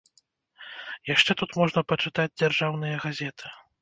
Яшчэ тут можна пачытаць дзяржаўныя газеты.